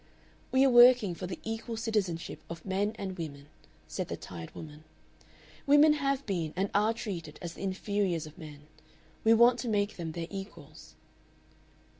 "We are working for the equal citizenship of men and women," said the tired woman. "Women have been and are treated as the inferiors of men, we want to make them their equals."